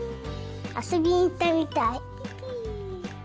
遊びに行ったみたい。